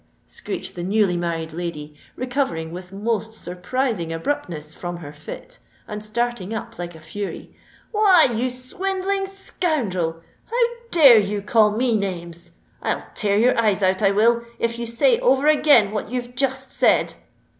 screeched the newly married lady, recovering with most surprising abruptness from her fit, and starting up like a fury. "Why, you swindling scoundrel, how dare you call me names? I'll tear your eyes out, I will, if you say over again what you've just said."